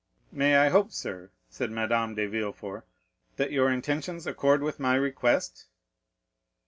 "May I hope, sir," said Madame de Villefort, "that your intentions accord with my request?"